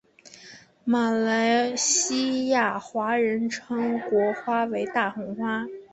马来西亚华人称国花为大红花。